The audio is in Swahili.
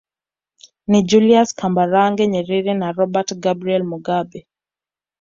Ni Julius Kambarage Nyerere na Robert Gabriel Mugabe